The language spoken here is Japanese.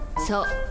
そう。